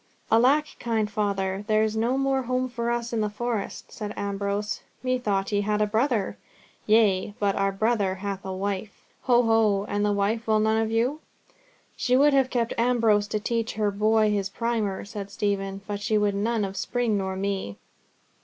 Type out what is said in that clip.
"Alack, kind father, there's no more home for us in the Forest," said Ambrose. "Methought ye had a brother?" "Yea; but our brother hath a wife." "Ho! ho! And the wife will none of you?" "She would have kept Ambrose to teach her boy his primer," said Stephen; "but she would none of Spring nor of me."